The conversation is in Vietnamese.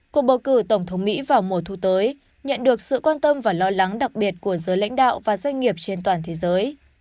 cuộc bầu cử tổng thống mỹ vào mùa thu tới nhận được sự quan tâm và lo lắng đặc biệt của giới lãnh đạo và doanh nghiệp trên toàn thế giới